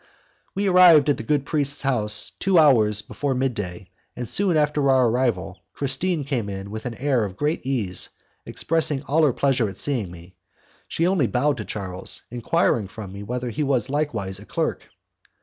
We arrived at the good priest's house two hours before mid day, and soon after our arrival, Christine came in with an air of great ease, expressing all her pleasure at seeing me. She only bowed to Charles, enquiring from me whether he was likewise a clerk.